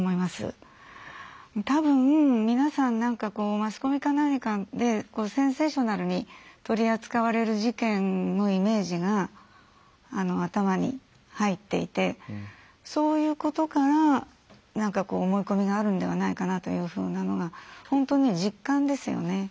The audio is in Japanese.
多分皆さん何かこうマスコミか何かでセンセーショナルに取り扱われる事件のイメージが頭に入っていてそういうことから思い込みがあるんではないかなというふうなのが本当に実感ですよね。